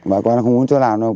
vợ con không muốn cho làm đâu